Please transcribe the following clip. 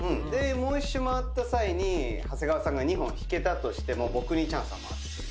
もう１周回った際に長谷川さんが２本引けたとしても僕にチャンスが回ってくる。